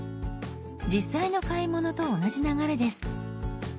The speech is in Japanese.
実際の買い物と同じ流れです。